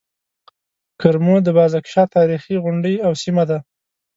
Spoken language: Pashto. کرمو د بازک شاه تاريخي غونډۍ او سيمه ده.